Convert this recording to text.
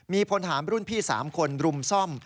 มีพลธหารรุ่นพี่สามคนรุมซ่อม